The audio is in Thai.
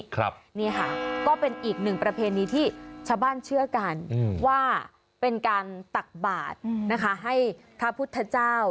ก็เป็นอีกหนึ่งประเพณีที่ชาวบ้านเชื่อกันว่าเป็นการตักบาดให้พระพุทธเจ้า